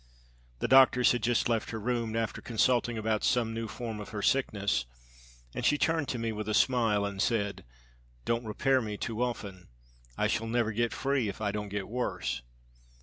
The doctors had just left her room after consulting about some new form of her sickness, and she turned to me with a smile and said, 'Don't repair me too often! I shall never get free if I don't get worse.'